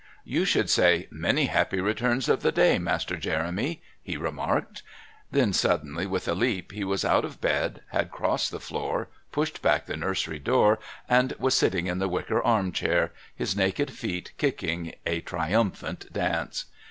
"You should say 'Many Happy Returns of the Day, Master Jeremy,'" he remarked. Then suddenly, with a leap, he was out of bed, had crossed the floor, pushed back the nursery door, and was sitting in the wicker arm chair, his naked feet kicking a triumphant dance.